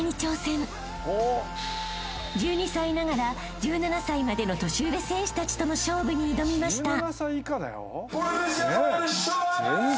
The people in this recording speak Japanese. ［１２歳ながら１７歳までの年上選手たちとの勝負に挑みました］